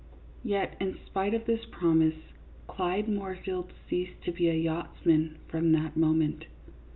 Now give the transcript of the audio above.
Yet in spite of this promise, Clyde Moorfield ceased to be a yachtsman from that moment.